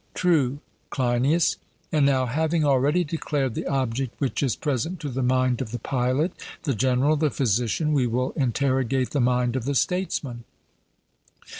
True, Cleinias; and now, having already declared the object which is present to the mind of the pilot, the general, the physician, we will interrogate the mind of the statesman.